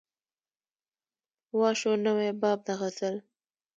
وا شو نوی باب د غزل